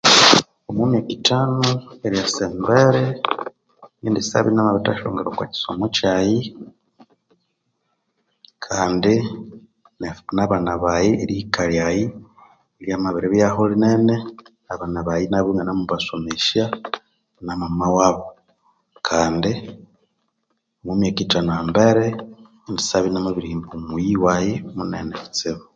Omumwaka itanu eryusa embere ngendisyaba inamabiritashongera okwakisomo kyaghe Kandi nabana baghe nerihika lyaghe iryamabiribyaho linene nabana baghe inganemubasomesya namama wabo Kandi omwamyeka itano ihambere ngendisya iniamabirisomesa abana baghe